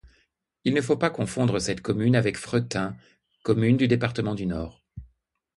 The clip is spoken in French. Il ne faut pas confondre cette commune avec Fretin, commune du département du Nord.